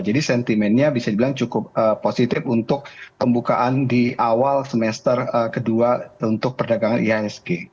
jadi sentimennya bisa dibilang cukup positif untuk pembukaan di awal semester kedua untuk perdagangan ihsg